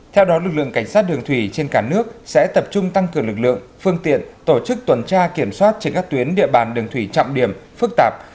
theo đó lực lượng cảnh sát đường thủy trên cả nước sẽ tập trung tăng cường lực lượng phương tiện tổ chức tuần tra kiểm soát trên các tuyến địa bàn đường thủy trọng điểm phức tạp